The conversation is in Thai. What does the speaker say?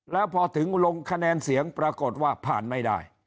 แล้วพอถึงลงคะแนนเสียงปรากฏว่าผ่านไม่ได้